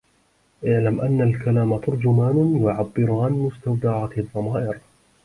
اعْلَمْ أَنَّ الْكَلَامَ تَرْجُمَانٌ يُعَبِّرُ عَنْ مُسْتَوْدَعَاتِ الضَّمَائِرِ